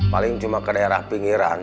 paling cuma ke daerah pinggiran